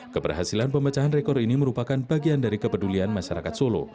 keberhasilan pemecahan rekor ini merupakan bagian dari kepedulian masyarakat solo